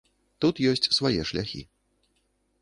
Тут ёсць свае шляхі.